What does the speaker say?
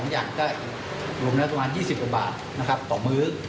๒อย่างก็รวมเนื้อประมาณ๒๐บาทนะคะต่อมือ